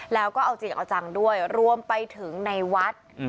แล้วก็เอาจริงเอาจังด้วยรวมไปถึงในวัด